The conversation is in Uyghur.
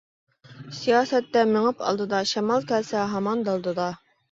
سىياسەتتە مېڭىپ ئالدىدا، شامال كەلسە ھامان دالدىدا.